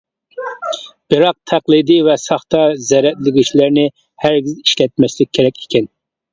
بىراق، تەقلىدىي ۋە ساختا زەرەتلىگۈچلەرنى ھەرگىز ئىشلەتمەسلىك كېرەك ئىكەن.